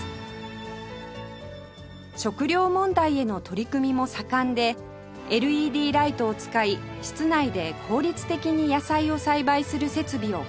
食料問題への取り組みも盛んで ＬＥＤ ライトを使い室内で効率的に野菜を栽培する設備を開発